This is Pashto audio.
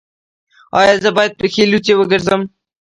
ایا زه باید پښې لوڅې وګرځم؟